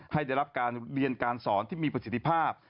ให้ได้รับการเรียนการสอนที่มีประสิทธิภาพ